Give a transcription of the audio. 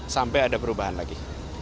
sampai ada perubahan lagi